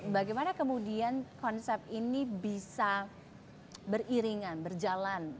bagaimana kemudian konsep ini bisa beriringan berjalan